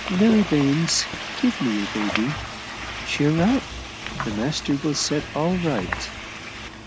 Mary Baines, give me your baby. Cheer up, the master will set all right!"